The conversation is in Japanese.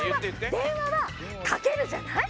電話はかけるじゃない？